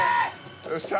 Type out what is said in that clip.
よっしゃ。